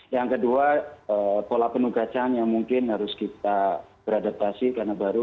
yang kedua pola penugasan yang mungkin harus kita beradaptasi karena baru